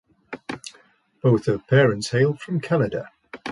Both of her parents hailed from Canada.